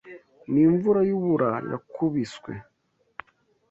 N'imvura y'urubura yakubiswe.